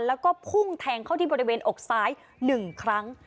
แล้วก็พุ่งแทงเข้าที่บริเวณอกซ้าย๑ครั้ง